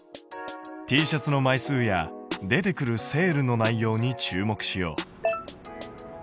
Ｔシャツの枚数や出てくるセールの内容に注目しよう。